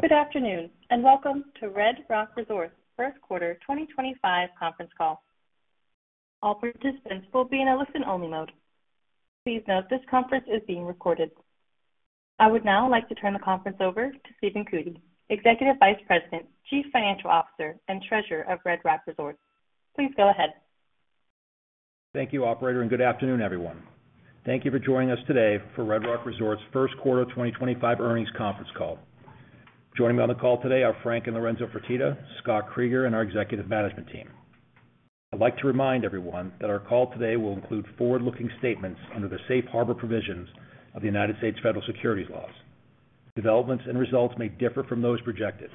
Good afternoon and welcome to Red Rock Resorts' Q1 2025 conference call. All participants will be in a listen-only mode. Please note this conference is being recorded. I would now like to turn the conference over to Stephen Cootey, Executive Vice President, Chief Financial Officer, and Treasurer of Red Rock Resorts. Please go ahead. Thank you, Operator, and good afternoon, everyone. Thank you for joining us today for Red Rock Resorts' Q1 2025 earnings conference call. Joining me on the call today are Frank and Lorenzo Fertitta, Scott Kreeger, and our Executive Management Team. I'd like to remind everyone that our call today will include forward-looking statements under the safe harbor provisions of the United States Federal Securities Laws. Developments and results may differ from those projected.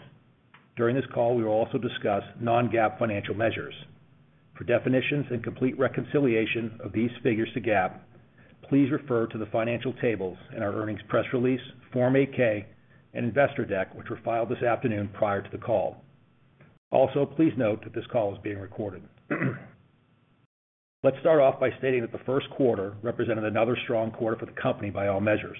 During this call, we will also discuss non-GAAP financial measures. For definitions and complete reconciliation of these figures to GAAP, please refer to the financial tables in our earnings press release, Form 8-K, and investor deck, which were filed this afternoon prior to the call. Also, please note that this call is being recorded. Let's start off by stating that the Q1 represented another strong quarter for the company by all measures.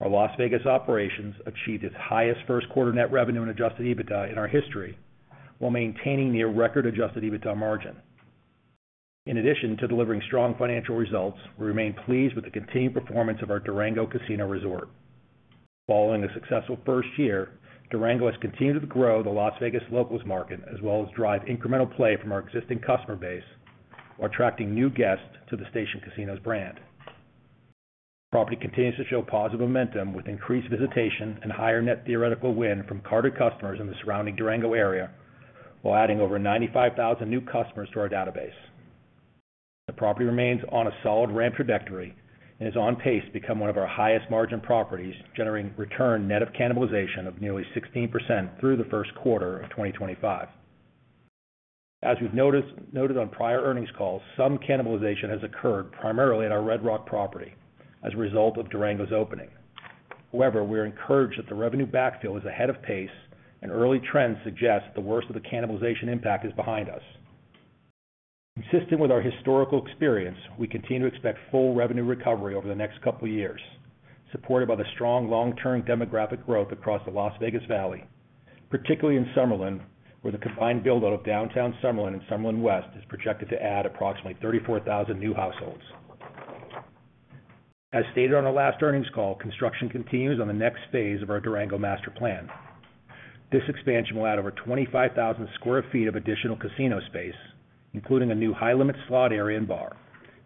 Our Las Vegas operations achieved its highest Q1 net revenue and adjusted EBITDA in our history while maintaining near-record adjusted EBITDA margin. In addition to delivering strong financial results, we remain pleased with the continued performance of our Durango Casino Resort. Following a successful first year, Durango has continued to grow the Las Vegas locals market as well as drive incremental play from our existing customer base while attracting new guests to the Station Casinos brand. The property continues to show positive momentum with increased visitation and higher net theoretical win from carded customers in the surrounding Durango area while adding over 95,000 new customers to our database. The property remains on a solid ramp trajectory and is on pace to become one of our highest margin properties, generating return net of cannibalization of nearly 16% through the Q1 of 2025. As we've noted on prior earnings calls, some cannibalization has occurred primarily at our Red Rock property as a result of Durango's opening. However, we are encouraged that the revenue backfill is ahead of pace and early trends suggest the worst of the cannibalization impact is behind us. Consistent with our historical experience, we continue to expect full revenue recovery over the next couple of years, supported by the strong long-term demographic growth across the Las Vegas Valley, particularly in Summerlin, where the combined build-out of Downtown Summerlin and Summerlin West is projected to add approximately 34,000 new households. As stated on our last earnings call, construction continues on the next phase of our Durango master plan. This expansion will add over 25,000 sq ft of additional casino space, including a new high-limit slot area and bar.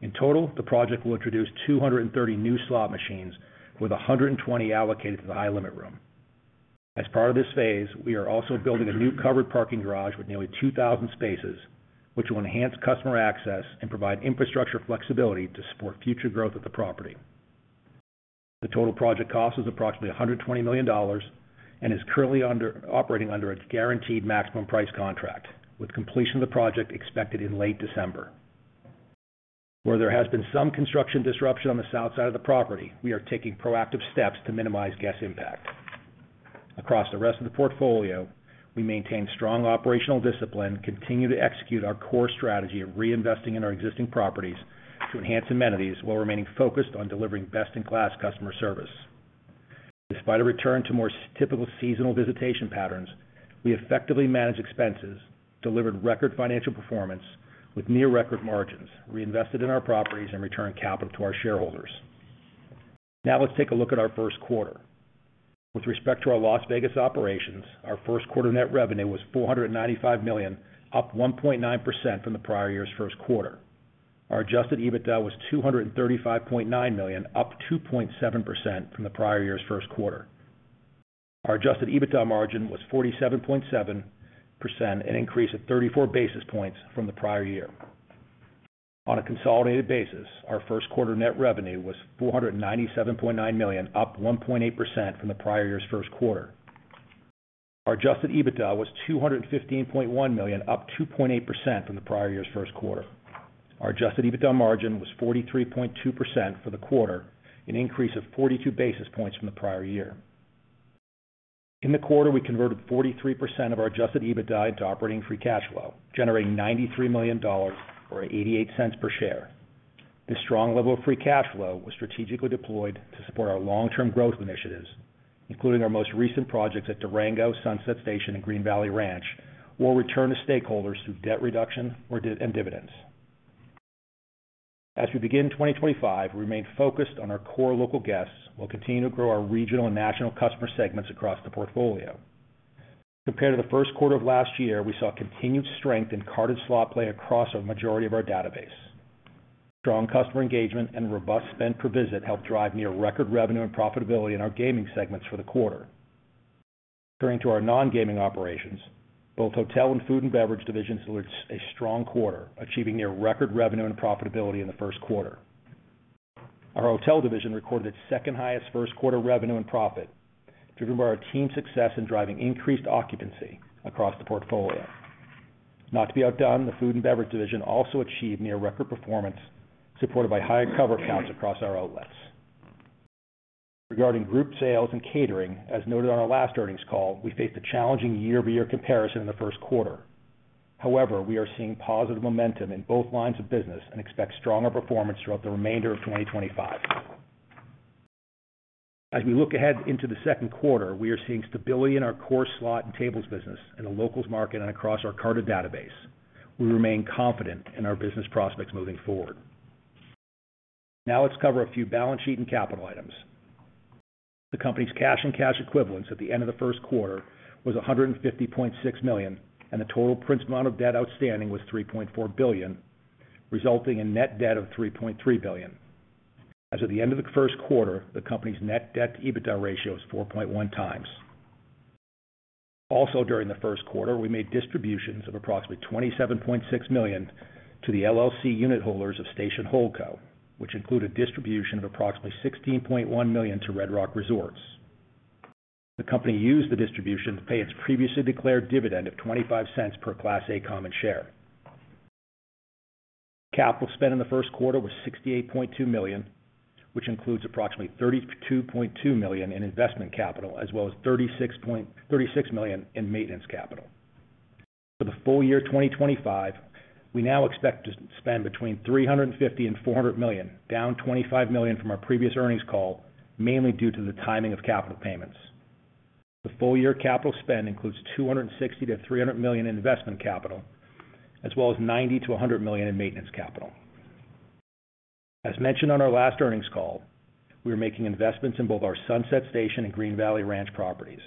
In total, the project will introduce 230 new slot machines, with 120 allocated to the high-limit room. As part of this phase, we are also building a new covered parking garage with nearly 2,000 spaces, which will enhance customer access and provide infrastructure flexibility to support future growth at the property. The total project cost is approximately $120 million and is currently operating under a guaranteed maximum price contract, with completion of the project expected in late December. Where there has been some construction disruption on the south side of the property, we are taking proactive steps to minimize guest impact. Across the rest of the portfolio, we maintain strong operational discipline and continue to execute our core strategy of reinvesting in our existing properties to enhance amenities while remaining focused on delivering best-in-class customer service. Despite a return to more typical seasonal visitation patterns, we effectively managed expenses, delivered record financial performance with near-record margins, reinvested in our properties, and returned capital to our shareholders. Now let's take a look at our Q1. With respect to our Las Vegas operations, our Q1 net revenue was $495 million, up 1.9% from the prior year's Q1. Our adjusted EBITDA was $235.9 million, up 2.7% from the prior year's Q1. Our adjusted EBITDA margin was 47.7%, an increase of 34 basis points from the prior year. On a consolidated basis, our Q1 net revenue was $497.9 million, up 1.8% from the prior year's Q1. Our adjusted EBITDA was $215.1 million, up 2.8% from the prior year's Q1. Our adjusted EBITDA margin was 43.2% for the quarter, an increase of 42 basis points from the prior year. In the quarter, we converted 43% of our adjusted EBITDA into operating free cash flow, generating $93 million or $0.88 per share. This strong level of free cash flow was strategically deployed to support our long-term growth initiatives, including our most recent projects at Durango, Sunset Station, and Green Valley Ranch, while returning to stakeholders through debt reduction and dividends. As we begin 2025, we remain focused on our core local guests while continuing to grow our regional and national customer segments across the portfolio. Compared to the Q1 of last year, we saw continued strength in carded slot play across our majority of our database. Strong customer engagement and robust spend per visit helped drive near-record revenue and profitability in our gaming segments for the quarter. Turning to our non-gaming operations, both hotel and food and beverage divisions delivered a strong quarter, achieving near-record revenue and profitability in the Q1. Our hotel division recorded its second-highest Q1 revenue and profit, driven by our team's success in driving increased occupancy across the portfolio. Not to be outdone, the food and beverage division also achieved near-record performance, supported by higher cover counts across our outlets. Regarding Group Sales and Catering, as noted on our last earnings call, we faced a challenging year-to-year comparison in the Q1. However, we are seeing positive momentum in both lines of business and expect stronger performance throughout the remainder of 2025. As we look ahead into the Q2, we are seeing stability in our core slot and tables business, in the locals market, and across our carded database. We remain confident in our business prospects moving forward. Now let's cover a few balance sheet and capital items. The company's cash and cash equivalents at the end of the Q1 was $150.6 million, and the total print amount of debt outstanding was $3.4 billion, resulting in net debt of $3.3 billion. As of the end of the Q1, the company's net debt to EBITDA ratio is 4.1 times. Also, during the Q1, we made distributions of approximately $27.6 million to the LLC unit holders of Station Holdco, which included distribution of approximately $16.1 million to Red Rock Resorts. The company used the distribution to pay its previously declared dividend of $0.25 per Class A common share. Capital spent in the Q1 was $68.2 million, which includes approximately $32.2 million in investment capital as well as $36 million in maintenance capital. For the full year 2025, we now expect to spend between $350 million and $400 million, down $25 million from our previous earnings call, mainly due to the timing of capital payments. The full year capital spend includes $260 million-300 million in investment capital, as well as $90 million-100 million in maintenance capital. As mentioned on our last earnings call, we are making investments in both our Sunset Station and Green Valley Ranch properties.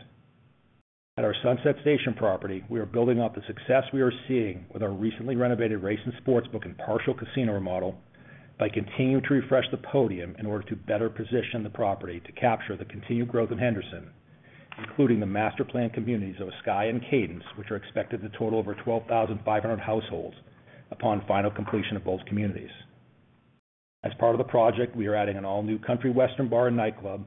At our Sunset Station property, we are building up the success we are seeing with our recently renovated racing sports book and partial casino remodel by continuing to refresh the podium in order to better position the property to capture the continued growth of Henderson, including the master plan communities of Skye and Cadence, which are expected to total over 12,500 households upon final completion of both communities. As part of the project, we are adding an all-new Country Western Bar and nightclub,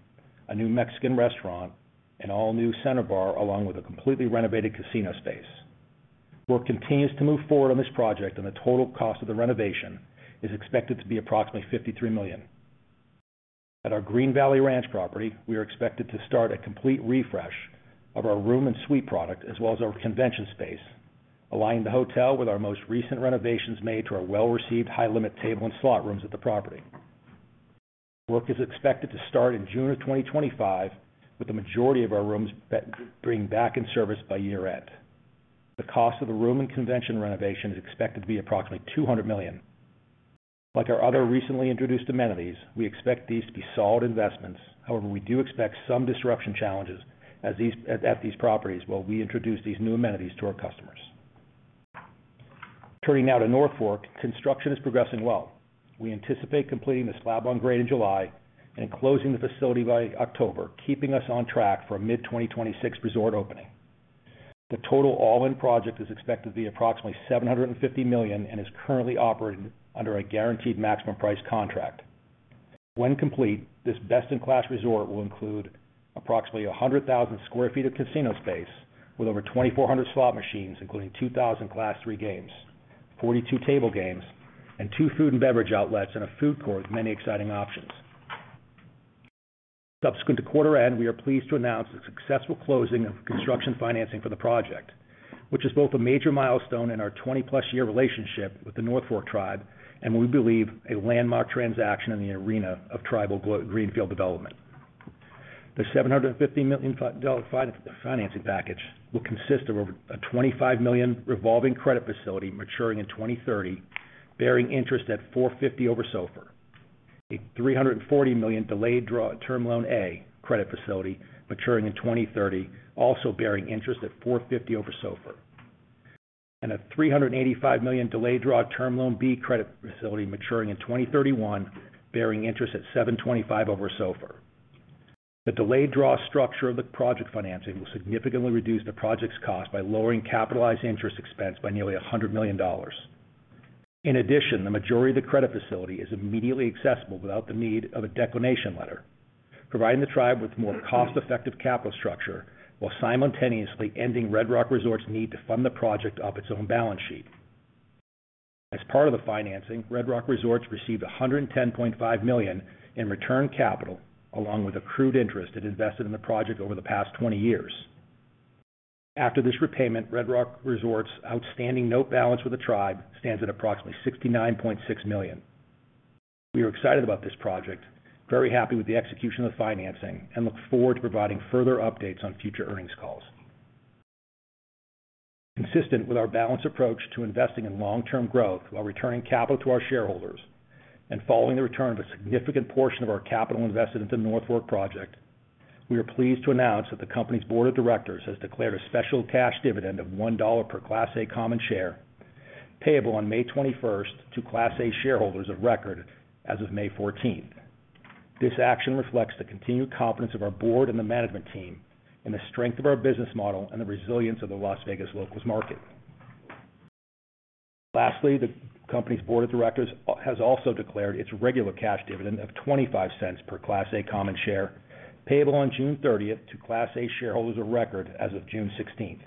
a new Mexican restaurant, an all-new center bar, along with a completely renovated casino space. Work continues to move forward on this project, and the total cost of the renovation is expected to be approximately $53 million. At our Green Valley Ranch property, we are expected to start a complete refresh of our room and suite product as well as our convention space, aligning the hotel with our most recent renovations made to our well-received high-limit table and slot rooms at the property. Work is expected to start in June of 2025, with the majority of our rooms being back in service by year-end. The cost of the room and convention renovation is expected to be approximately $200 million. Like our other recently introduced amenities, we expect these to be solid investments. However, we do expect some disruption challenges at these properties while we introduce these new amenities to our customers. Turning now to North Fork, construction is progressing well. We anticipate completing the slab on grade in July and closing the facility by October, keeping us on track for a mid-2026 resort opening. The total all-in project is expected to be approximately $750 million and is currently operating under a guaranteed maximum price contract. When complete, this best-in-class resort will include approximately 100,000 sq ft of casino space with over 2,400 slot machines, including 2,000 Class III games, 42 table games, and two food and beverage outlets and a food court with many exciting options. Subsequent to quarter end, we are pleased to announce the successful closing of construction financing for the project, which is both a major milestone in our 20-plus year relationship with the North Fork Tribe and, we believe, a landmark transaction in the arena of tribal greenfield development. The $750 million financing package will consist of a $25 million revolving credit facility maturing in 2030, bearing interest at $450 over SOFR, a $340 million delayed term loan A credit facility maturing in 2030, also bearing interest at $450 over SOFR, and a $385 million delayed draw term loan B credit facility maturing in 2031, bearing interest at $725 over SOFR. The delayed draw structure of the project financing will significantly reduce the project's cost by lowering capitalized interest expense by nearly $100 million. In addition, the majority of the credit facility is immediately accessible without the need of a declination letter, providing the tribe with a more cost-effective capital structure while simultaneously ending Red Rock Resorts' need to fund the project off its own balance sheet. As part of the financing, Red Rock Resorts received $110.5 million in return capital along with accrued interest it invested in the project over the past 20 years. After this repayment, Red Rock Resorts' outstanding note balance with the tribe stands at approximately $69.6 million. We are excited about this project, very happy with the execution of the financing, and look forward to providing further updates on future earnings calls. Consistent with our balanced approach to investing in long-term growth while returning capital to our shareholders and following the return of a significant portion of our capital invested into the North Fork project, we are pleased to announce that the company's board of directors has declared a special cash dividend of $1 per Class A common share payable on May 21 to Class A shareholders of record as of May 14. This action reflects the continued confidence of our board and the management team in the strength of our business model and the resilience of the Las Vegas locals market. Lastly, the company's board of directors has also declared its regular cash dividend of $0.25 per Class A common share payable on June 30 to Class A shareholders of record as of June 16.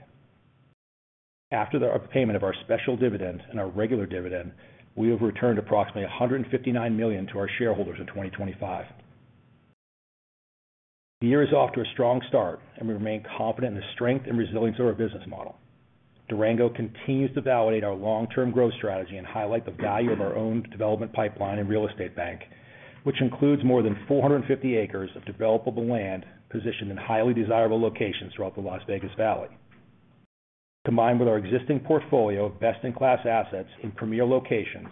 After the payment of our special dividend and our regular dividend, we have returned approximately $159 million to our shareholders in 2025. The year is off to a strong start, and we remain confident in the strength and resilience of our business model. Durango continues to validate our long-term growth strategy and highlight the value of our own development pipeline and real estate bank, which includes more than 450 acres of developable land positioned in highly desirable locations throughout the Las Vegas Valley. Combined with our existing portfolio of best-in-class assets in premier locations,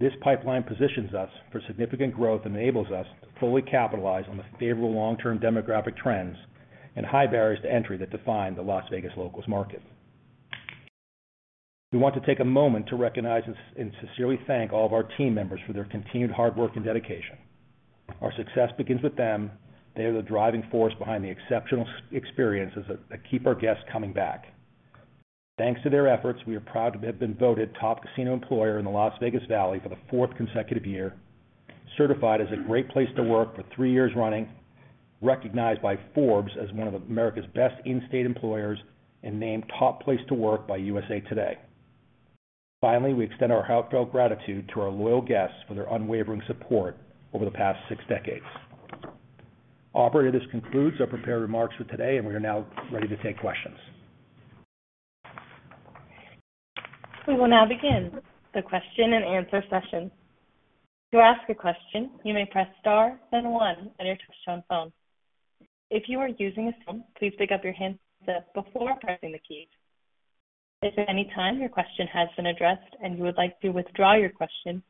this pipeline positions us for significant growth and enables us to fully capitalize on the favorable long-term demographic trends and high barriers to entry that define the Las Vegas locals market. We want to take a moment to recognize and sincerely thank all of our team members for their continued hard work and dedication. Our success begins with them. They are the driving force behind the exceptional experiences that keep our guests coming back. Thanks to their efforts, we are proud to have been voted top casino employer in the Las Vegas Valley for the fourth consecutive year, certified as a great place to work for three years running, recognized by Forbes as one of America's best in-state employers, and named top place to work by USA Today. Finally, we extend our heartfelt gratitude to our loyal guests for their unwavering support over the past six decades. Operator, this concludes our prepared remarks for today, and we are now ready to take questions. We will now begin the question and answer session. To ask a question, you may press star, then one, on your touch-tone phone. If you are using a phone, please pick up your handset before pressing the keys. If at any time your question has been addressed and you would like to withdraw your question,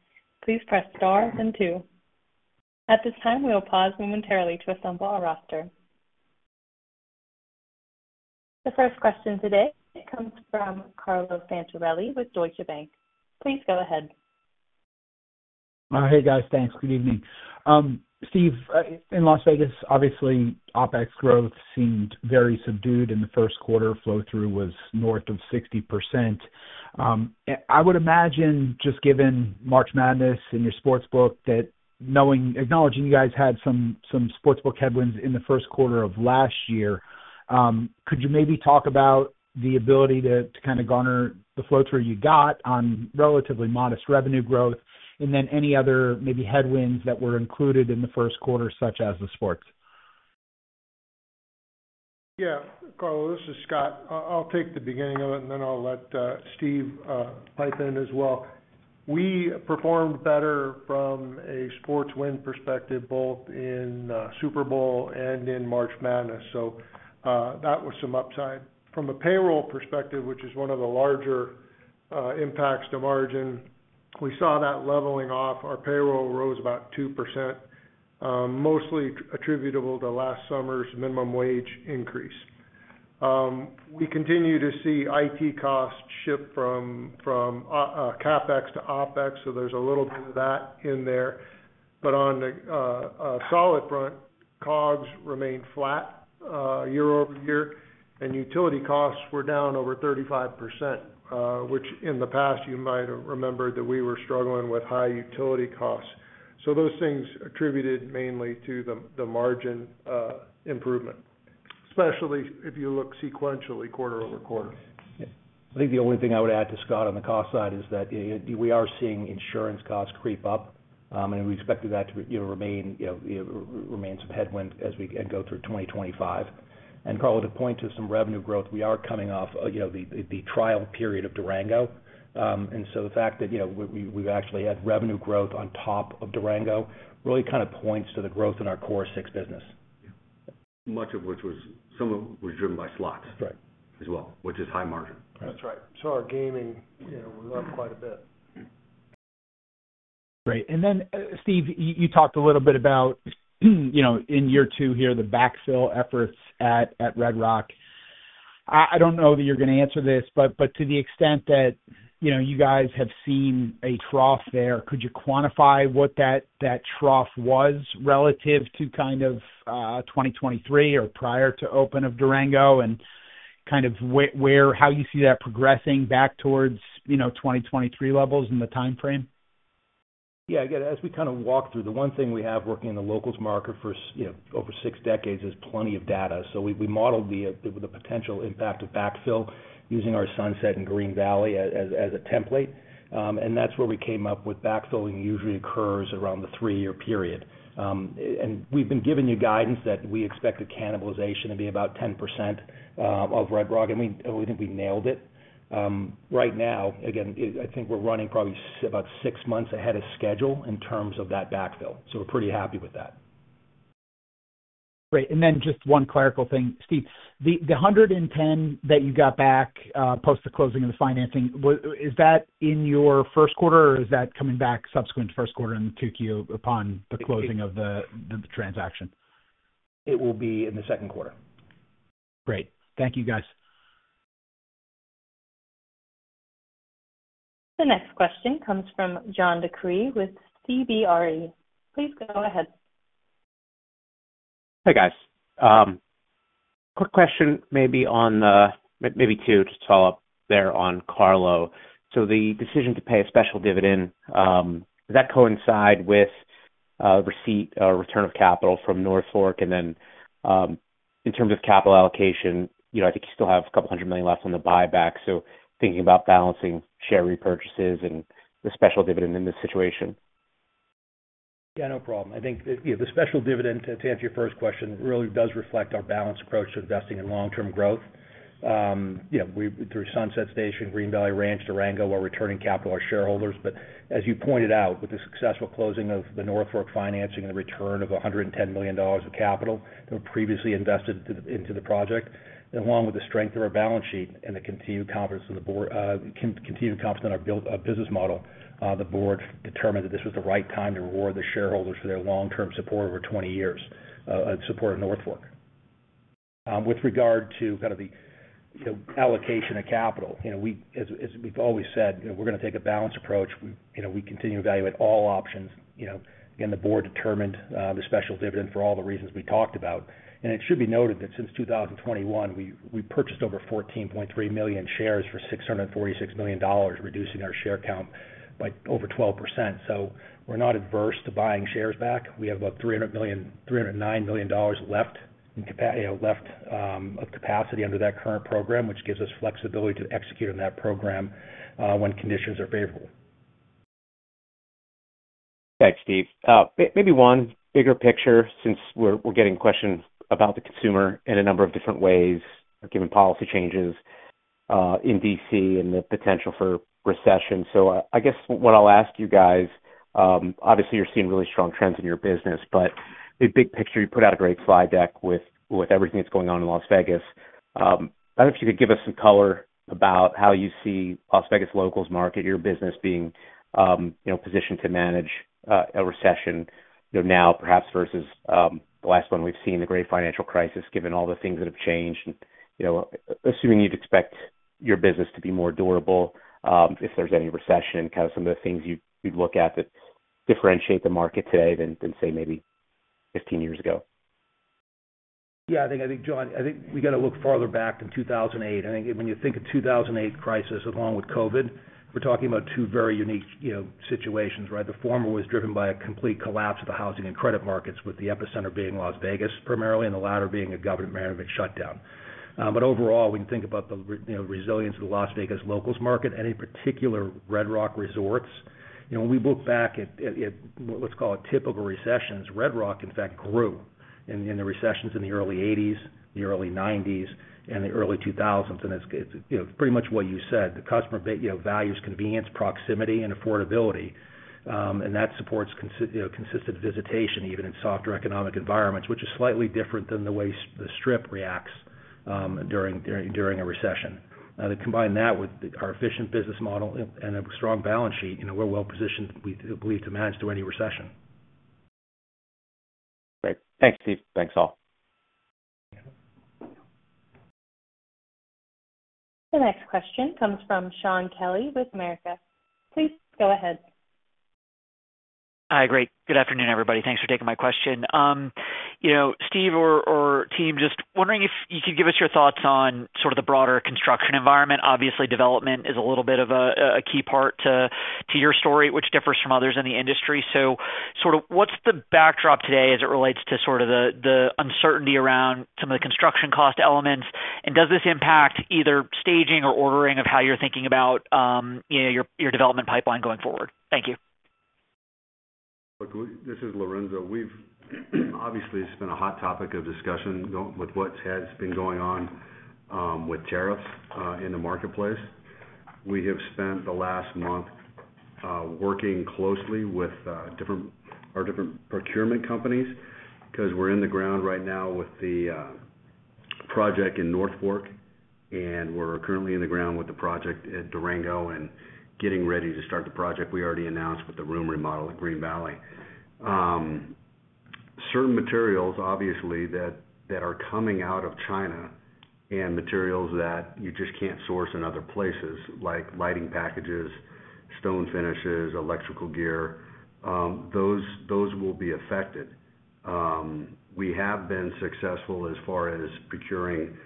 please press star, then two. At this time, we will pause momentarily to assemble our roster. The first question today comes from Carlo Santarelli with Deutsche Bank. Please go ahead. Hey, guys. Thanks. Good evening. Steve, in Las Vegas, obviously, OpEx growth seemed very subdued in the Q1. Flow-through was north of 60%. I would imagine, just given March Madness and your sportsbook, that acknowledging you guys had some sportsbook headwinds in the Q1 of last year, could you maybe talk about the ability to kind of garner the flow-through you got on relatively modest revenue growth, and then any other maybe headwinds that were included in the Q1, such as the sports? Yeah. Carlo, this is Scott. I'll take the beginning of it, and then I'll let Steve pipe in as well. We performed better from a sports win perspective, both in Super Bowl and in March Madness. That was some upside. From a payroll perspective, which is one of the larger impacts to margin, we saw that leveling off. Our payroll rose about 2%, mostly attributable to last summer's minimum wage increase. We continue to see IT costs shift from CapEx to OPEX, so there's a little bit of that in there. On a solid front, COGS remained flat year over year, and utility costs were down over 35%, which in the past, you might have remembered that we were struggling with high utility costs. Those things attributed mainly to the margin improvement, especially if you look sequentially quarter-over-quarter. Yeah. I think the only thing I would add to Scott on the cost side is that we are seeing insurance costs creep up, and we expect that to remain some headwinds as we go through 2025. Carlo, to point to some revenue growth, we are coming off the trial period of Durango. The fact that we've actually had revenue growth on top of Durango really kind of points to the growth in our Core Six business. Yeah. Much of which was, some of it was driven by slots as well, which is high margin. That's right. Our gaming, we love quite a bit. Great. Steve, you talked a little bit about, in year two here, the backfill efforts at Red Rock. I do not know that you are going to answer this, but to the extent that you guys have seen a trough there, could you quantify what that trough was relative to kind of 2023 or prior to open of Durango and kind of how you see that progressing back towards 2023 levels in the timeframe? Yeah. Again, as we kind of walk through, the one thing we have working in the locals market for over six decades is plenty of data. We modeled the potential impact of backfill using our Sunset and Green Valley as a template. That is where we came up with backfilling usually occurs around the three-year period. We have been giving you guidance that we expect the cannibalization to be about 10% of Red Rock, and we think we nailed it. Right now, I think we are running probably about six months ahead of schedule in terms of that backfill. We are pretty happy with that. Great. Just one clerical thing. Steve, the $110 that you got back post the closing of the financing, is that in your Q1, or is that coming back subsequent to Q1 and took you upon the closing of the transaction? It will be in the Q2. Great. Thank you, guys. The next question comes from John DeCree with CBRE. Please go ahead. Hey, guys. Quick question maybe on maybe two to follow up there on Carlo. The decision to pay a special dividend, does that coincide with receipt or return of capital from North Fork? In terms of capital allocation, I think you still have a couple hundred million left on the buyback. Thinking about balancing share repurchases and the special dividend in this situation. Yeah, no problem. I think the special dividend, to answer your first question, really does reflect our balanced approach to investing in long-term growth. Through Sunset Station, Green Valley Ranch, Durango, our returning capital are shareholders. As you pointed out, with the successful closing of the North Fork financing and the return of $110 million of capital that were previously invested into the project, along with the strength of our balance sheet and the continued confidence in our business model, the board determined that this was the right time to reward the shareholders for their long-term support over 20 years of support of North Fork. With regard to kind of the allocation of capital, as we've always said, we're going to take a balanced approach. We continue to evaluate all options. Again, the board determined the special dividend for all the reasons we talked about. It should be noted that since 2021, we purchased over 14.3 million shares for $646 million, reducing our share count by over 12%. We are not adverse to buying shares back. We have about $309 million left of capacity under that current program, which gives us flexibility to execute on that program when conditions are favorable. Thanks, Steve. Maybe one bigger picture since we're getting questions about the consumer in a number of different ways, given policy changes in D.C. and the potential for recession. I guess what I'll ask you guys, obviously, you're seeing really strong trends in your business, but the big picture, you put out a great slide deck with everything that's going on in Las Vegas. I don't know if you could give us some color about how you see Las Vegas locals market your business being positioned to manage a recession now, perhaps versus the last one we've seen, the great financial crisis, given all the things that have changed. Assuming you'd expect your business to be more durable if there's any recession, kind of some of the things you'd look at that differentiate the market today than, say, maybe 15 years ago. Yeah. I think, John, I think we got to look farther back than 2008. I think when you think of the 2008 crisis along with COVID, we're talking about two very unique situations, right? The former was driven by a complete collapse of the housing and credit markets, with the epicenter being Las Vegas primarily and the latter being a government-management shutdown. Overall, when you think about the resilience of the Las Vegas locals market and in particular Red Rock Resorts, when we look back at what's called a typical recession, Red Rock, in fact, grew in the recessions in the early 1980s, the early 1990s, and the early 2000s. It's pretty much what you said. The customer values convenience, proximity, and affordability. That supports consistent visitation, even in softer economic environments, which is slightly different than the way the Strip reacts during a recession. Combine that with our efficient business model and a strong balance sheet, we're well positioned, we believe, to manage through any recession. Great. Thanks, Steve. Thanks, all. The next question comes from Shaun Kelley with Macquarie. Please go ahead. Hi. Great. Good afternoon, everybody. Thanks for taking my question. Steve, or team, just wondering if you could give us your thoughts on sort of the broader construction environment. Obviously, development is a little bit of a key part to your story, which differs from others in the industry. What is the backdrop today as it relates to sort of the uncertainty around some of the construction cost elements? Does this impact either staging or ordering of how you're thinking about your development pipeline going forward? Thank you. This is Lorenzo. We've obviously spent a hot topic of discussion with what has been going on with tariffs in the marketplace. We have spent the last month working closely with our different procurement companies because we're in the ground right now with the project in North Fork, and we're currently in the ground with the project at Durango and getting ready to start the project we already announced with the room remodel at Green Valley. Certain materials, obviously, that are coming out of China and materials that you just can't source in other places, like lighting packages, stone finishes, electrical gear, those will be affected. We have been successful as far as procuring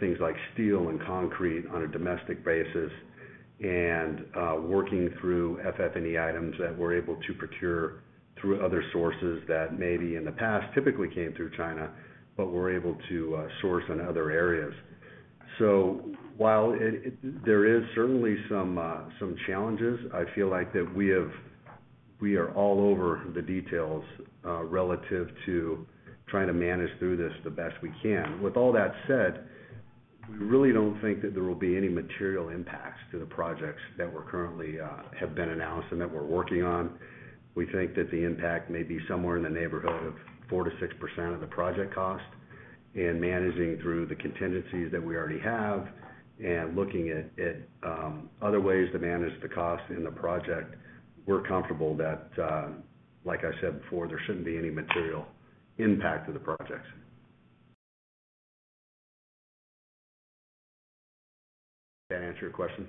things like steel and concrete on a domestic basis and working through FF&E items that we're able to procure through other sources that maybe in the past typically came through China, but we're able to source in other areas. While there is certainly some challenges, I feel like that we are all over the details relative to trying to manage through this the best we can. With all that said, we really don't think that there will be any material impacts to the projects that have been announced and that we're working on. We think that the impact may be somewhere in the neighborhood of 4-6% of the project cost. Managing through the contingencies that we already have and looking at other ways to manage the cost in the project, we're comfortable that, like I said before, there shouldn't be any material impact to the projects. Did that answer your question?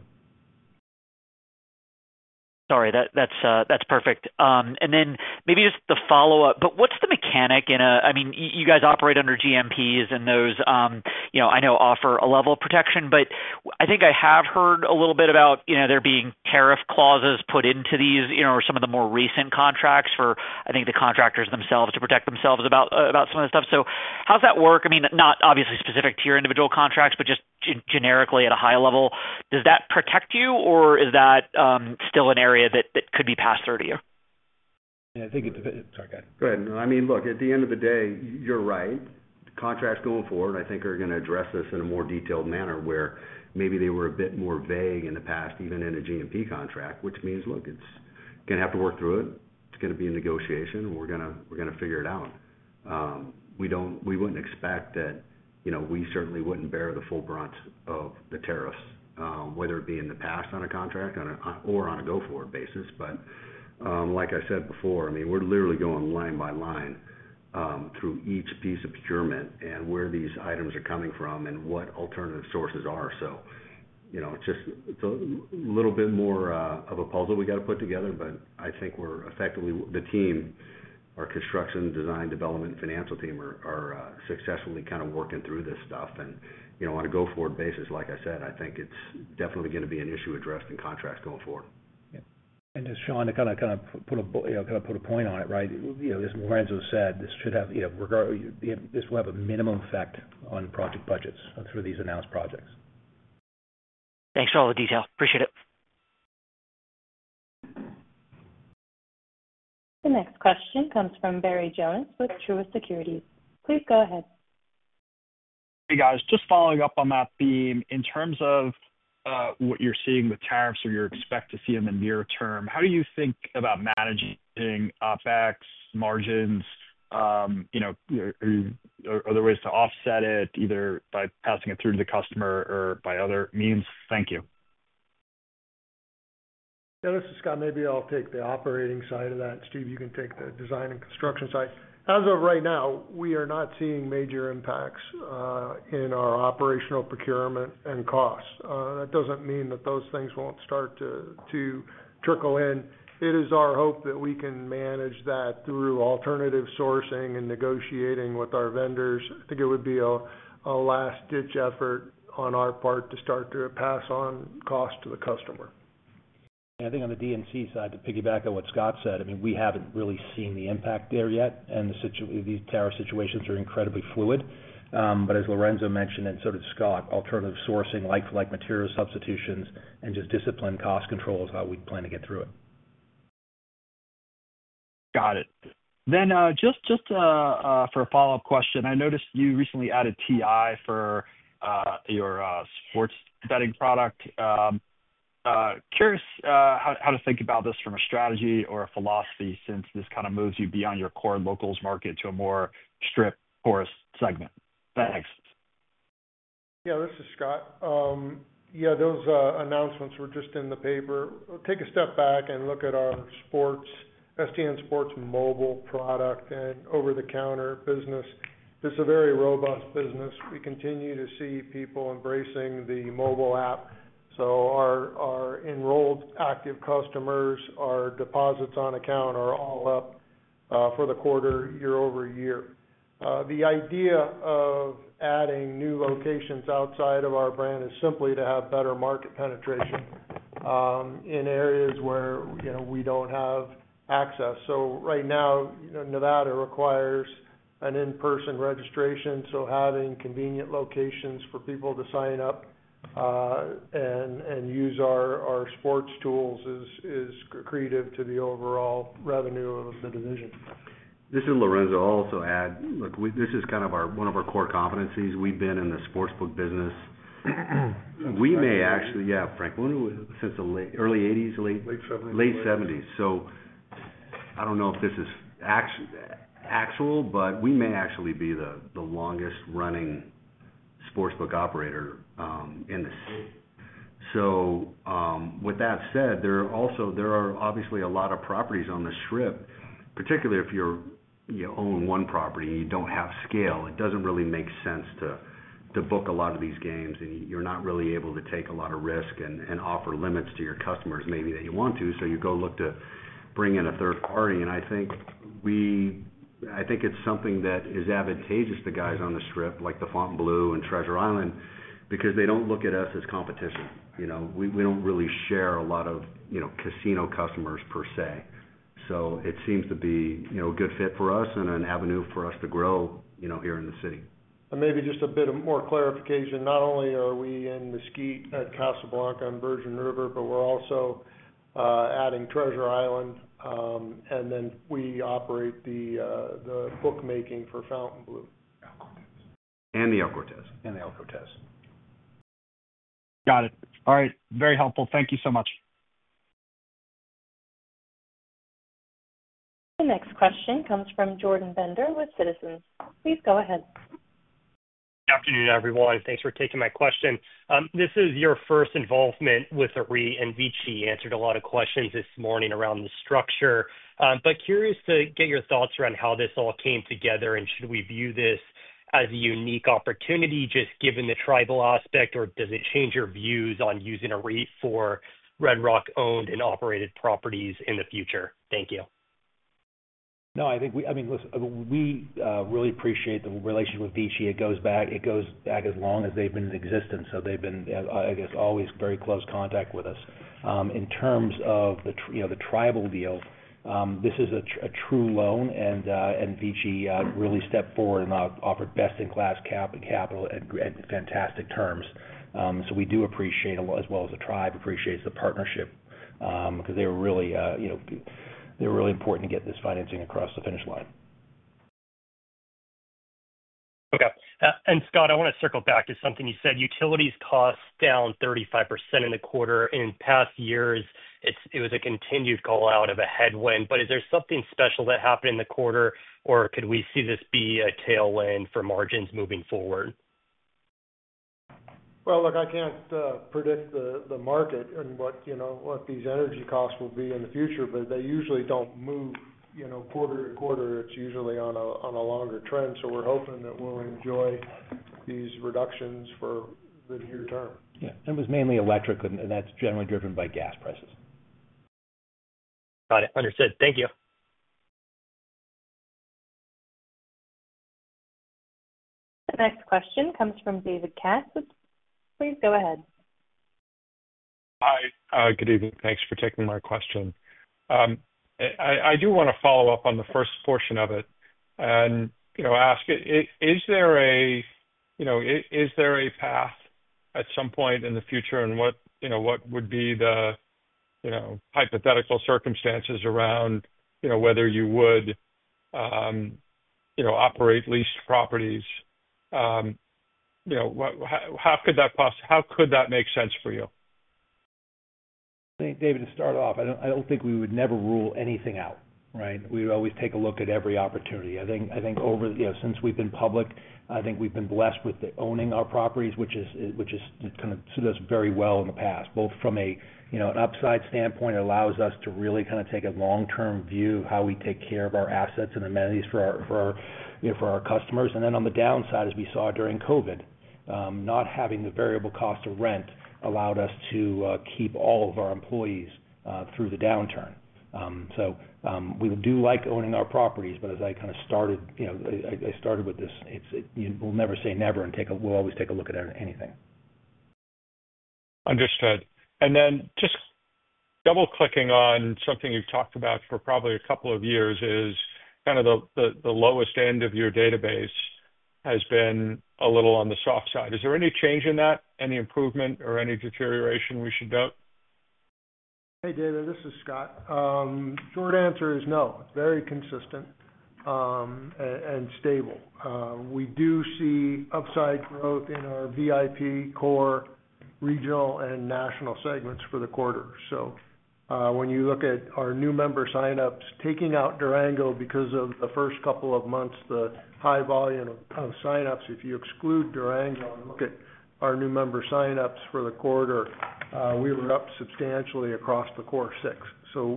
Sorry. That's perfect. Maybe just the follow-up, but what's the mechanic in a, I mean, you guys operate under GMPs, and those I know offer a level of protection. I think I have heard a little bit about there being tariff clauses put into these or some of the more recent contracts for, I think, the contractors themselves to protect themselves about some of this stuff. How's that work? I mean, not obviously specific to your individual contracts, but just generically at a high level, does that protect you, or is that still an area that could be passed through to you? Yeah. I think it depends. Sorry, guys. Go ahead. No, I mean, look, at the end of the day, you're right. The contracts going forward, I think, are going to address this in a more detailed manner where maybe they were a bit more vague in the past, even in a GMP contract, which means, look, it's going to have to work through it. It's going to be a negotiation, and we're going to figure it out. We wouldn't expect that we certainly wouldn't bear the full brunt of the tariffs, whether it be in the past on a contract or on a go-forward basis. Like I said before, I mean, we're literally going line by line through each piece of procurement and where these items are coming from and what alternative sources are. It's a little bit more of a puzzle we got to put together, but I think we're effectively, the team, our construction, design, development, and financial team are successfully kind of working through this stuff. On a go-forward basis, like I said, I think it's definitely going to be an issue addressed in contracts going forward. Yeah. As Sean kind of put a point on it, right, as Lorenzo said, this should have, this will have a minimum effect on project budgets through these announced projects. Thanks for all the detail. Appreciate it. The next question comes from Barry Jonas with Truist Securities. Please go ahead. Hey, guys. Just following up on that theme, in terms of what you're seeing with tariffs or you expect to see in the near term, how do you think about managing OPEX margins? Are there ways to offset it either by passing it through to the customer or by other means? Thank you. Yeah. This is Scott. Maybe I'll take the operating side of that. Steve, you can take the design and construction side. As of right now, we are not seeing major impacts in our operational procurement and costs. That does not mean that those things will not start to trickle in. It is our hope that we can manage that through alternative sourcing and negotiating with our vendors. I think it would be a last-ditch effort on our part to start to pass on cost to the customer. Yeah. I think on the DNC side, to piggyback on what Scott said, I mean, we haven't really seen the impact there yet. These tariff situations are incredibly fluid. As Lorenzo mentioned and sort of Scott, alternative sourcing, like-for-like material substitutions, and just disciplined cost control is how we plan to get through it. Got it. Just for a follow-up question, I noticed you recently added TI for your sports betting product. Curious how to think about this from a strategy or a philosophy since this kind of moves you beyond your core locals market to a more Strip-focused segment. Thanks. Yeah. This is Scott. Yeah. Those announcements were just in the paper. Take a step back and look at our STN Sports mobile product and over-the-counter business. It's a very robust business. We continue to see people embracing the mobile app. Our enrolled active customers, our deposits on account are all up for the quarter, quarter-over-quarter. The idea of adding new locations outside of our brand is simply to have better market penetration in areas where we don't have access. Right now, Nevada requires an in-person registration. Having convenient locations for people to sign up and use our sports tools is creative to the overall revenue of the division. This is Lorenzo. I'll also add, look, this is kind of one of our core competencies. We've been in the sportsbook business. We may actually—yeah, Frank—when was it? Since the early 1980s? Late '70s. Late 1970s. I do not know if this is actual, but we may actually be the longest-running sportsbook operator in the city. With that said, there are obviously a lot of properties on the Strip, particularly if you own one property and you do not have scale. It does not really make sense to book a lot of these games, and you are not really able to take a lot of risk and offer limits to your customers maybe that you want to. You look to bring in a third party. I think it is something that is advantageous to guys on the Strip, like the Fontainebleau and Treasure Island, because they do not look at us as competition. We do not really share a lot of casino customers per se. It seems to be a good fit for us and an avenue for us to grow here in the city. Maybe just a bit of more clarification. Not only are we in Mesquite at Casablanca and Virgin River, but we're also adding Treasure Island. We operate the bookmaking for Fontainebleau. El Cortez. El Cortez. El Cortez. Got it. All right. Very helpful. Thank you so much. The next question comes from Jordan Bender with Citizens. Please go ahead. Good afternoon, everyone. Thanks for taking my question. This is your first involvement with the REIT, and VICI answered a lot of questions this morning around the structure. Curious to get your thoughts around how this all came together, and should we view this as a unique opportunity just given the tribal aspect, or does it change your views on using a REIT for Red Rock-owned and operated properties in the future? Thank you. No, I think we—I mean, listen, we really appreciate the relationship with VICI. It goes back as long as they've been in existence. They have been, I guess, always very close contact with us. In terms of the tribal deal, this is a true loan, and VICI really stepped forward and offered best-in-class capital and fantastic terms. We do appreciate, as well as the tribe appreciates the partnership because they were really—they were really important to get this financing across the finish line. Okay. Scott, I want to circle back to something you said. Utilities cost down 35% in the quarter. In past years, it was a continued callout of a headwind. Is there something special that happened in the quarter, or could we see this be a tailwind for margins moving forward? Look, I can't predict the market and what these energy costs will be in the future, but they usually don't move quarter to quarter. It's usually on a longer trend. We are hoping that we'll enjoy these reductions for the near term. Yeah. It was mainly electric, and that's generally driven by gas prices. Got it. Understood. Thank you. The next question comes from David Katz. Please go ahead. Hi. Good evening. Thanks for taking my question. I do want to follow up on the first portion of it and ask, is there a—is there a path at some point in the future, and what would be the hypothetical circumstances around whether you would operate leased properties? How could that make sense for you? I think, David, to start off, I don't think we would ever rule anything out, right? We would always take a look at every opportunity. I think since we've been public, I think we've been blessed with owning our properties, which has kind of suited us very well in the past, both from an upside standpoint. It allows us to really kind of take a long-term view of how we take care of our assets and amenities for our customers. On the downside, as we saw during COVID, not having the variable cost of rent allowed us to keep all of our employees through the downturn. We do like owning our properties, but as I started with this, we'll never say never and we'll always take a look at anything. Understood. Just double-clicking on something you've talked about for probably a couple of years is kind of the lowest end of your database has been a little on the soft side. Is there any change in that? Any improvement or any deterioration we should note? Hey, David. This is Scott. Short answer is no. It is very consistent and stable. We do see upside growth in our VIP core, regional, and national segments for the quarter. When you look at our new member signups, taking out Durango because of the first couple of months, the high volume of signups, if you exclude Durango and look at our new member signups for the quarter, we were up substantially across the core six.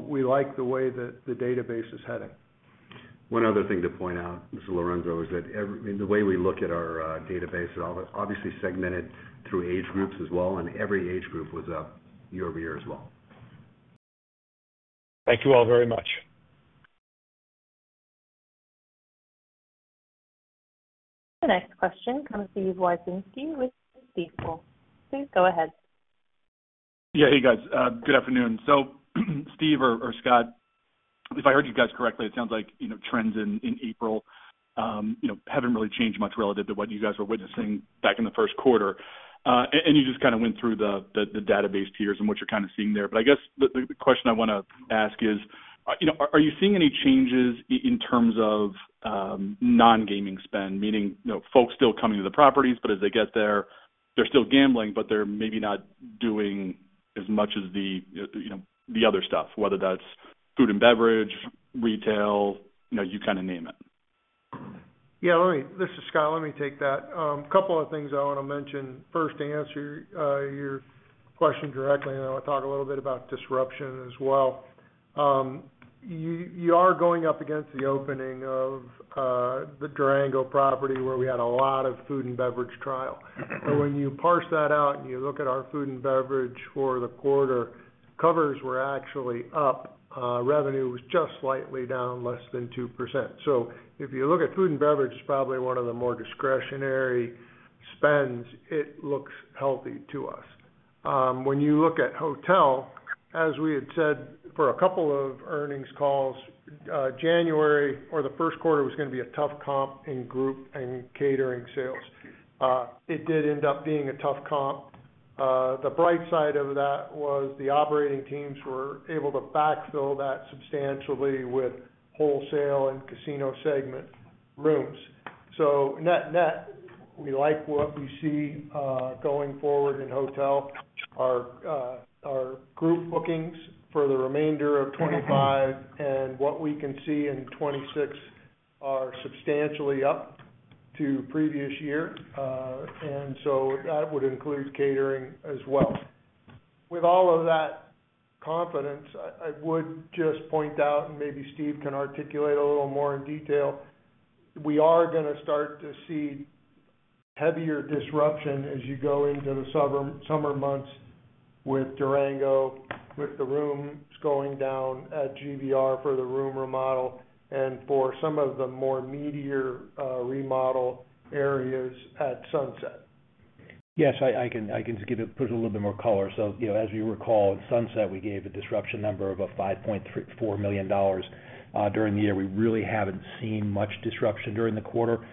We like the way that the database is heading. One other thing to point out, Mr. Lorenzo, is that the way we look at our database is obviously segmented through age groups as well, and every age group was up year over year as well. Thank you all very much. The next question comes to Yves Wieczynski with Citizens. Please go ahead. Yeah. Hey, guys. Good afternoon. Steve or Scott, if I heard you guys correctly, it sounds like trends in April have not really changed much relative to what you guys were witnessing back in the Q1. You just kind of went through the database tiers and what you are kind of seeing there. I guess the question I want to ask is, are you seeing any changes in terms of non-gaming spend, meaning folks still coming to the properties, but as they get there, they are still gambling, but they are maybe not doing as much of the other stuff, whether that is food and beverage, retail, you kind of name it? Yeah. This is Scott. Let me take that. A couple of things I want to mention. First, to answer your question directly, and then I'll talk a little bit about disruption as well. You are going up against the opening of the Durango property where we had a lot of food and beverage trial. When you parse that out and you look at our food and beverage for the quarter, covers were actually up. Revenue was just slightly down, less than 2%. If you look at food and beverage, it's probably one of the more discretionary spends. It looks healthy to us. When you look at hotel, as we had said for a couple of earnings calls, January or the Q1 was going to be a tough comp in group and catering sales. It did end up being a tough comp. The bright side of that was the operating teams were able to backfill that substantially with wholesale and casino segment rooms. Net-net, we like what we see going forward in hotel. Our group bookings for the remainder of 2025 and what we can see in 2026 are substantially up to previous year. That would include catering as well. With all of that confidence, I would just point out, and maybe Steve can articulate a little more in detail, we are going to start to see heavier disruption as you go into the summer months with Durango, with the rooms going down at Green Valley Ranch for the room remodel and for some of the more meatier remodel areas at Sunset. Yes. I can just give it, put a little bit more color. As you recall, at Sunset, we gave a disruption number of $5.4 million during the year. We really have not seen much disruption during the quarter.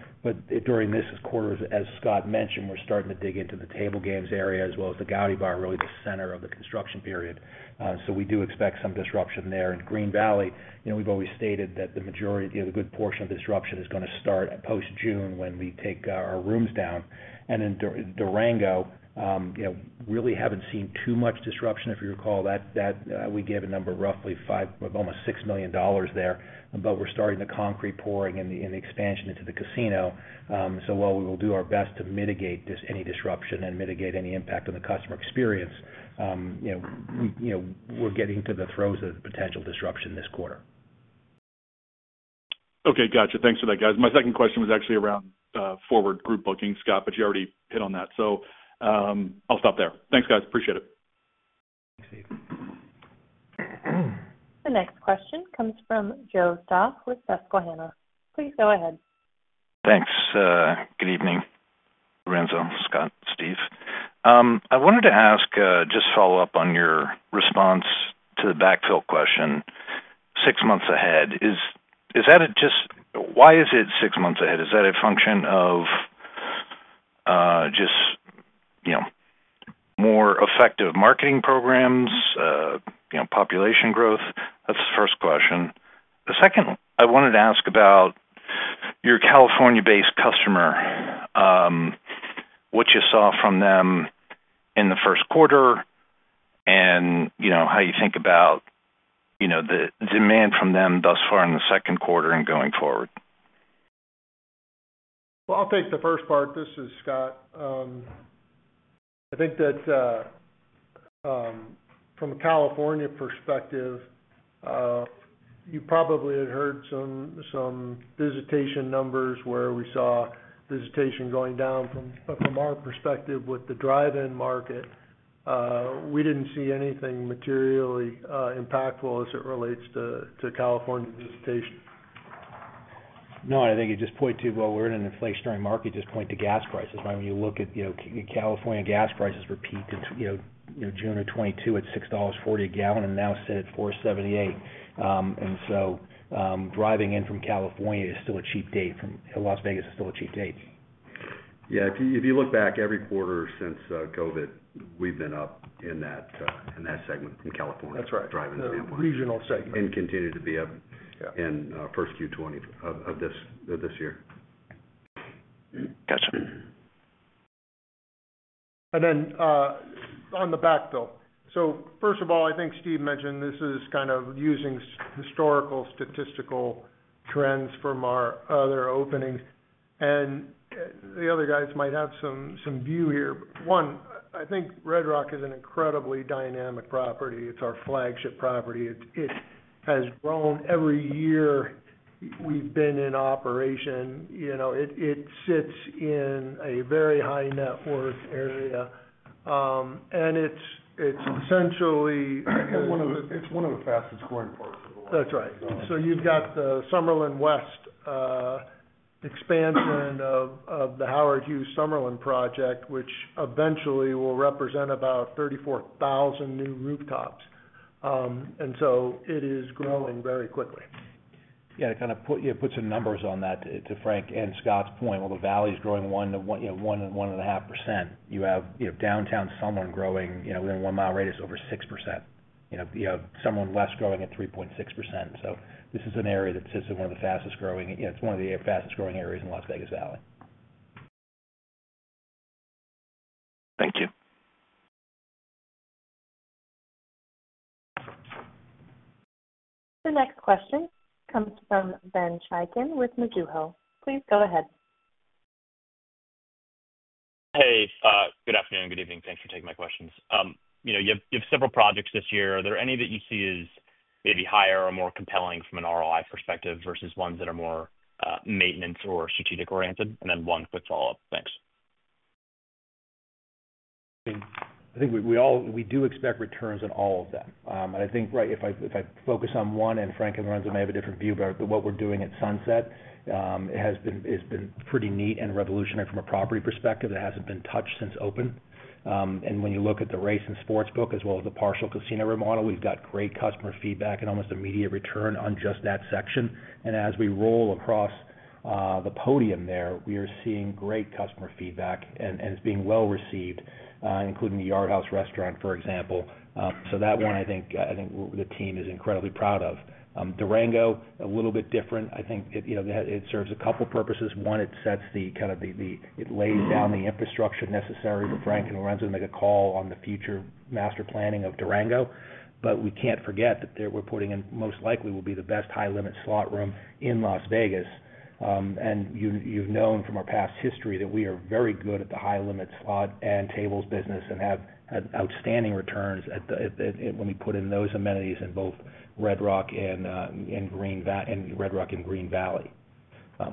During this quarter, as Scott mentioned, we are starting to dig into the table games area as well as the Gaudi Bar, really the center of the construction period. We do expect some disruption there. At Green Valley, we have always stated that the majority, the good portion of disruption is going to start post-June when we take our rooms down. At Durango, we really have not seen too much disruption. If you recall, we gave a number of roughly $5 million, almost $6 million there, but we are starting the concrete pouring and the expansion into the casino. While we will do our best to mitigate any disruption and mitigate any impact on the customer experience, we're getting to the throes of potential disruption this quarter. Okay. Gotcha. Thanks for that, guys. My second question was actually around forward group booking, Scott, but you already hit on that. I'll stop there. Thanks, guys. Appreciate it. Thanks, Steve. The next question comes from Joe Stauff with Susquehanna. Please go ahead. Thanks. Good evening, Lorenzo, Scott, Steve. I wanted to ask, just follow up on your response to the backfill question, six months ahead. Is that just—why is it six months ahead? Is that a function of just more effective marketing programs, population growth? That's the first question. The second, I wanted to ask about your California-based customer, what you saw from them in the Q1 and how you think about the demand from them thus far in the Q2 and going forward. I will take the first part. This is Scott. I think that from a California perspective, you probably had heard some visitation numbers where we saw visitation going down. From our perspective with the drive-in market, we did not see anything materially impactful as it relates to California visitation. No, I think you just point to, we're in an inflationary market. Just point to gas prices, right? You look at California gas prices repeat in June of 2022 at $6.40 a gallon and now sit at $4.78. Driving in from California is still a cheap date. Las Vegas is still a cheap date. Yeah. If you look back every quarter since COVID, we've been up in that segment from California drive-in standpoint. That's right. The regional segment. We continue to be up Q1 2020 of this year. Gotcha. On the backfill. First of all, I think Steve mentioned this is kind of using historical statistical trends from our other openings. The other guys might have some view here. One, I think Red Rock is an incredibly dynamic property. It's our flagship property. It has grown every year we've been in operation. It sits in a very high net worth area. It's essentially. It's one of the fastest-growing parts of the world. That's right. You have the Summerlin West expansion of the Howard Hughes Summerlin Project, which eventually will represent about 34,000 new rooftops. It is growing very quickly. Yeah. It kind of puts the numbers on that to Frank and Scott's point. The valley is growing 1% to 1.5%. You have Downtown Summerlin growing within a one-mile radius over 6%. You have Summerlin West growing at 3.6%. This is an area that sits in one of the fastest-growing—it's one of the fastest-growing areas in Las Vegas Valley. Thank you. The next question comes from Ben Chaiken with Mizuho. Please go ahead. Hey. Good afternoon. Good evening. Thanks for taking my questions. You have several projects this year. Are there any that you see as maybe higher or more compelling from an ROI perspective versus ones that are more maintenance or strategic-oriented? One quick follow-up. Thanks. I think we do expect returns in all of them. I think, right, if I focus on one and Frank and Lorenzo may have a different view, but what we're doing at Sunset has been pretty neat and revolutionary from a property perspective. It hasn't been touched since open. When you look at the race and sports book as well as the partial casino remodel, we've got great customer feedback and almost immediate return on just that section. As we roll across the podium there, we are seeing great customer feedback, and it's being well received, including the Yard House restaurant, for example. That one, I think the team is incredibly proud of. Durango, a little bit different. I think it serves a couple of purposes. One, it sets the kind of—it lays down the infrastructure necessary for Frank and Lorenzo to make a call on the future master planning of Durango. We can't forget that we're putting in most likely will be the best high-limit slot room in Las Vegas. You have known from our past history that we are very good at the high-limit slot and tables business and have outstanding returns when we put in those amenities in both Red Rock and Green Valley. Yeah.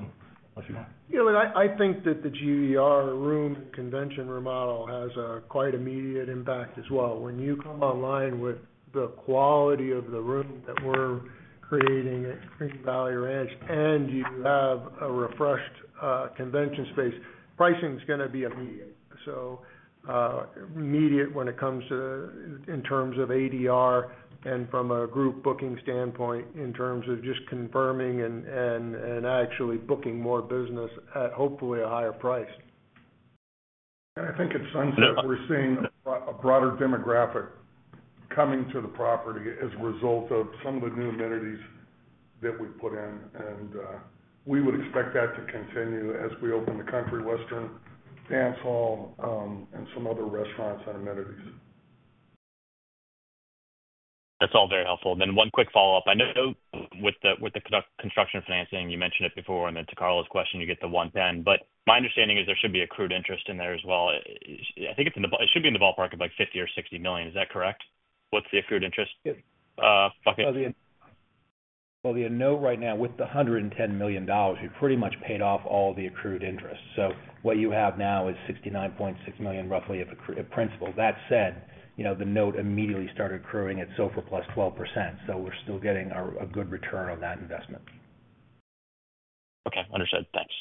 I think that the GVR room convention remodel has quite an immediate impact as well. When you come online with the quality of the room that we're creating at Green Valley Ranch and you have a refreshed convention space, pricing is going to be immediate. Immediate when it comes to in terms of ADR and from a group booking standpoint in terms of just confirming and actually booking more business at hopefully a higher price. I think at Sunset, we're seeing a broader demographic coming to the property as a result of some of the new amenities that we put in. We would expect that to continue as we open the Country Western Dance Hall and some other restaurants and amenities. That's all very helpful. One quick follow-up. I know with the construction financing, you mentioned it before. To Carl's question, you get the $110. My understanding is there should be accrued interest in there as well. I think it should be in the ballpark of $50 million-60 million. Is that correct? What's the accrued interest? The note right now, with the $110 million, you've pretty much paid off all the accrued interest. So what you have now is $69.6 million roughly of principal. That said, the note immediately started accruing at SOFR plus 12%. So we're still getting a good return on that investment. Okay. Understood. Thanks.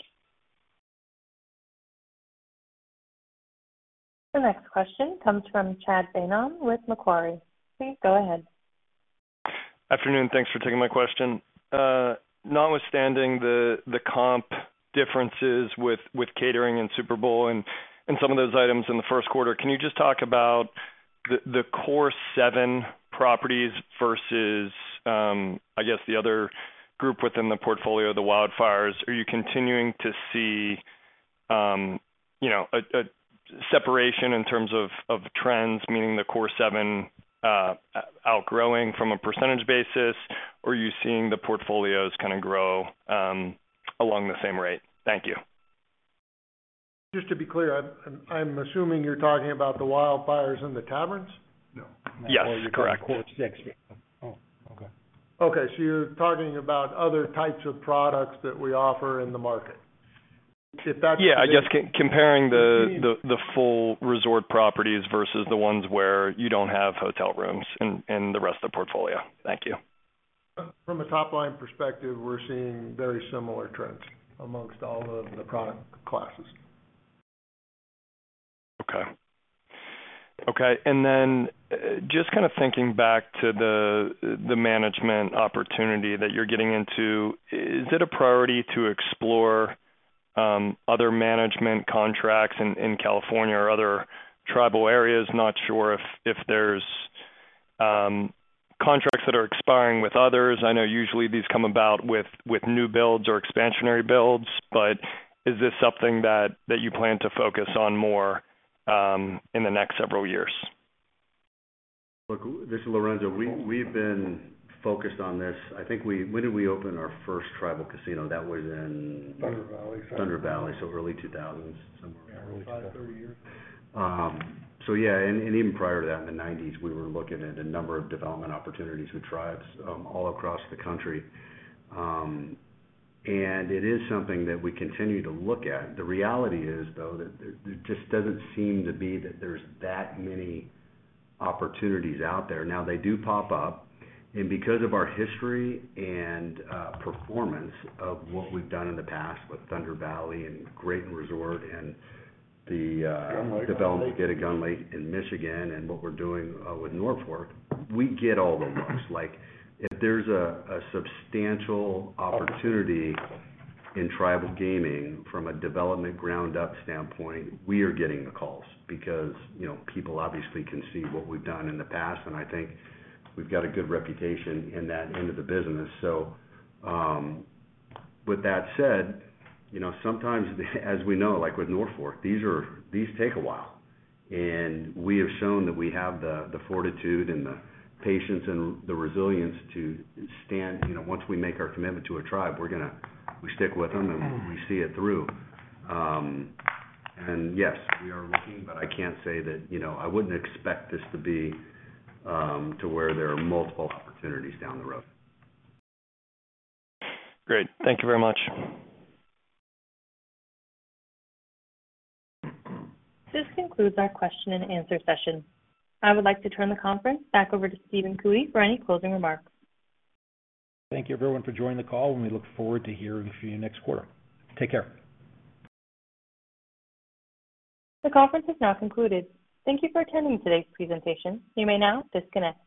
The next question comes from Chad Beynon with Macquarie. Please go ahead. Afternoon. Thanks for taking my question. Notwithstanding the comp differences with catering and Super Bowl and some of those items in the Q1, can you just talk about the core seven properties versus, I guess, the other group within the portfolio, the Wildfires? Are you continuing to see a separation in terms of trends, meaning the core seven outgrowing from a percentage basis, or are you seeing the portfolios kind of grow along the same rate? Thank you. Just to be clear, I'm assuming you're talking about the Wildfires and the taverns? No. Correct. Oh, okay. Okay. You're talking about other types of products that we offer in the market. If that's the case. Yeah. I guess comparing the full resort properties versus the ones where you do not have hotel rooms in the rest of the portfolio. Thank you. From a top-line perspective, we're seeing very similar trends amongst all of the product classes. Okay. Okay. Just kind of thinking back to the management opportunity that you're getting into, is it a priority to explore other management contracts in California or other tribal areas? Not sure if there's contracts that are expiring with others. I know usually these come about with new builds or expansionary builds. Is this something that you plan to focus on more in the next several years? This is Lorenzo. We've been focused on this. I think when did we open our first tribal casino? That was in. Thunder Valley. Thunder Valley. Early 2000s, somewhere around early 2000s. Probably 30 years. Yeah. Even prior to that, in the 1990s, we were looking at a number of development opportunities with tribes all across the country. It is something that we continue to look at. The reality is, though, that there just does not seem to be that many opportunities out there. They do pop up. Because of our history and performance of what we have done in the past with Thunder Valley and Gun Lake in Michigan and what we are doing with North Fork, we get all the looks. If there is a substantial opportunity in tribal gaming from a development ground-up standpoint, we are getting the calls because people obviously can see what we have done in the past. I think we have got a good reputation in that end of the business. With that said, sometimes, as we know, like with North Fork, these take a while. We have shown that we have the fortitude and the patience and the resilience to stand. Once we make our commitment to a tribe, we're going to stick with them and we see it through. Yes, we are looking, but I can't say that I wouldn't expect this to be to where there are multiple opportunities down the road. Great. Thank you very much. This concludes our question-and-answer session. I would like to turn the conference back over to Stephen Cootey for any closing remarks. Thank you, everyone, for joining the call. We look forward to hearing from you next quarter. Take care. The conference has now concluded. Thank you for attending today's presentation. You may now disconnect.